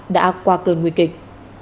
đã qua cơn nguy kịch